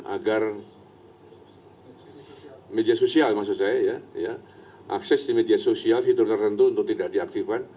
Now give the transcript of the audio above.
agar media sosial maksud saya ya akses di media sosial fitur tertentu untuk tidak diaktifkan